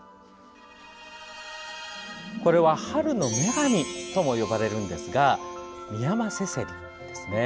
これは春の女神とも呼ばれるんですがミヤマセセリです。